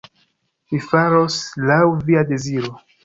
Mi faros laŭ via deziro.